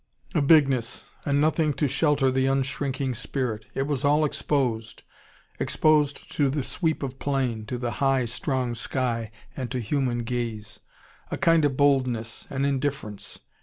A bigness and nothing to shelter the unshrinking spirit. It was all exposed, exposed to the sweep of plain, to the high, strong sky, and to human gaze. A kind of boldness, an indifference.